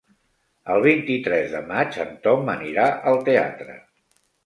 El vint-i-tres de maig en Tom anirà al teatre.